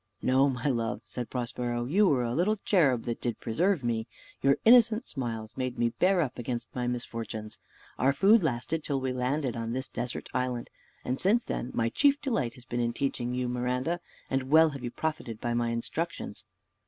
"No, my love," said Prospero, "you were a little cherub that did preserve me. Your innocent smiles made me bear up against my misfortunes. Our food lasted till we landed on this desert island, since then my chief delight has been in teaching you, Miranda, and well have you profited by my instructions."